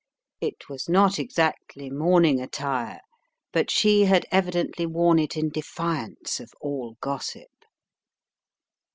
It was not exactly morning attire, but she had evidently worn it in defiance of all gossip.